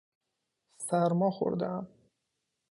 سرما خوردهام.